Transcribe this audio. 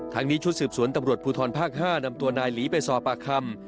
นี้ชุดสืบสวนตำรวจภูทรภาค๕นำตัวนายหลีไปสอบปากคำ